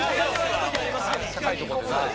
高いところでな。